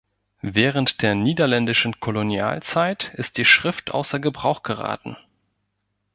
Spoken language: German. Während der niederländischen Kolonialzeit ist die Schrift außer Gebrauch geraten.